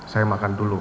saya makan dulu